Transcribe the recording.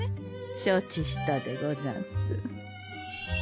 承知したでござんす。